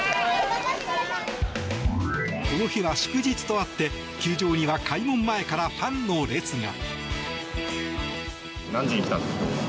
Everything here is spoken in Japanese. この日は祝日とあって球場には開門前からファンの列が。